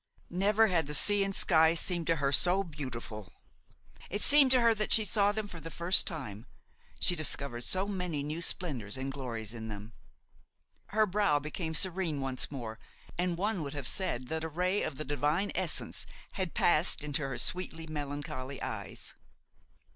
Never had the sea and sky seemed to her so beautiful. It seemed to her that she saw them for the first time, she discovered so many new splendors and glories in them. Her brow became serene once more, and one would have said that a ray of the Divine essence had passed into her sweetly melancholy eyes.